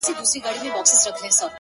د شپې له تورې پنجابيه سره دال وهي!